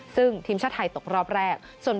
ซึ่งทีมชาติไทยตกรอบแรก